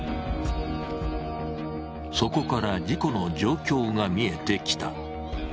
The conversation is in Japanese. そこから事故の状況が見えてきた。